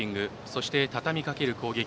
そしてたたみかける攻撃。